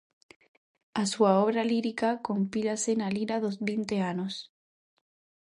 A súa obra lírica compílase na Lira dos vinte anos.